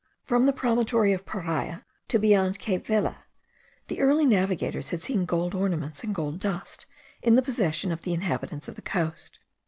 From the promontory of Paria to beyond cape Vela, the early navigators had seen gold ornaments and gold dust, in the possession of the inhabitants of the coast.